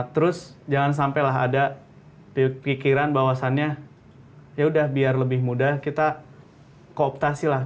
terus jangan sampelah ada pikiran bahwasannya ya udah biar lebih mudah kita kooptasilah